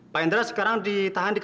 pak hendra sekarang ditahan diri